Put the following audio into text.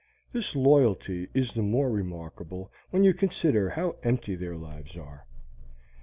This loyalty is the more remarkable when you consider how empty their lives are.